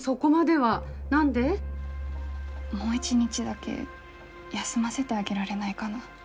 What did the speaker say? もう一日だけ休ませてあげられないかな。